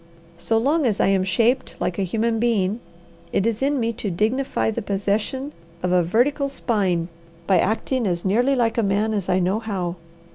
So long as I am shaped like a human being, it is in me to dignify the possession of a vertical spine by acting as nearly like a man as I know how.